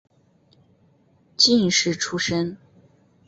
进士出身。